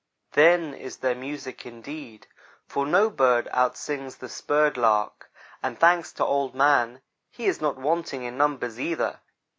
Then is there music, indeed, for no bird outsings the spurred lark; and thanks to Old man he is not wanting in numbers, either.